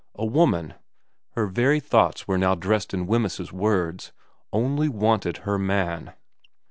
A woman her very thoughts were now dressed in Wemyss's words only wanted her man.